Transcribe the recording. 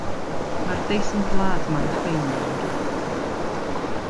Mae'r deisen blât ma'n ffein mam-gu.